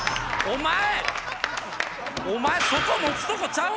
お前